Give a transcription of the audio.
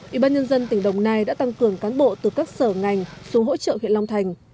ủy ban nhân dân tỉnh đồng nai đã tăng cường cán bộ từ các sở ngành xuống hỗ trợ huyện long thành